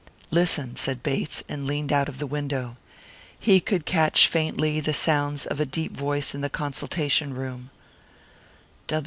"Listen," said Bates, and leaned out of the window. He could catch faintly the sounds of a deep voice in the consultation room.